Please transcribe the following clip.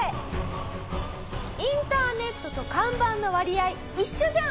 インターネットと看板の割合一緒じゃん！